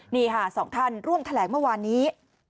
นี่ค่ะสองท่านร่วมแถลงเมื่อวานนี้